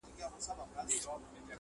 ګونګ یې کی زما تقدیر تقدیر خبري نه کوي,